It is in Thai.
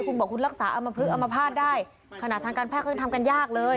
คุณบอกคุณรักษาอมพลึกอมภาษณ์ได้ขณะทางการแพทย์เขายังทำกันยากเลย